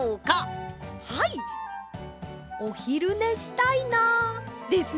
おひるねしたいなですね！